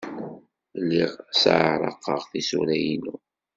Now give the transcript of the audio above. Lliɣ sseɛraqeɣ tisura-inu.